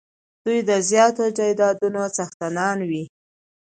دوی د زیاتو جایدادونو څښتنان وي.